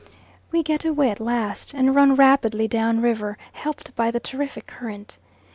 We get away at last, and run rapidly down river, helped by the terrific current.